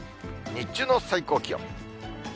日中の最高気温。